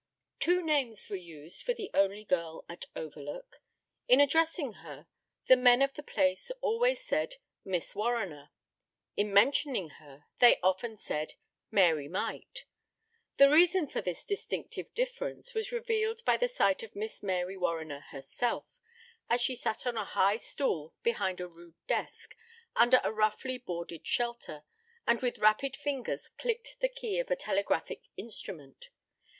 Two names were used for the only girl at Overlook. In addressing her, the men of the place always said "Miss Warriner." In mentioning her, they often said "Mary Mite." The reason for this distinctive difference was revealed by the sight of Miss Mary Warriner herself, as she sat on a high stool behind a rude desk, under a roughly boarded shelter, and with rapid fingers clicked the key of a telegraphic instrument.